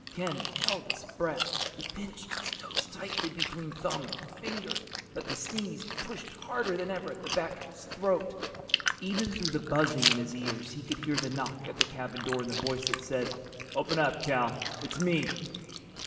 Ken held his breath. He pinched his nose tightly between thumb and finger. But the sneeze pushed harder than ever at the back of his throat. Even through the buzzing in his ears he could hear the knock at the cabin door and the voice that said, "Open up, Cal. It's me."